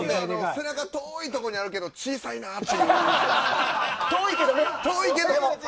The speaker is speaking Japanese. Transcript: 背中、遠い所にあるけど小さいなって。